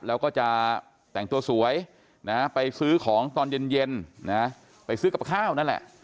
แล้วก็จะแต่งตัวสวยไปซื้อของตอนเย็นไปซื้อกับข้าวนั่นแหละ